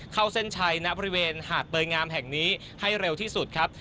เข้าเส้นชัยณบริเวณหาดเตยงามแห่งนี้ให้เร็วที่สุดครับ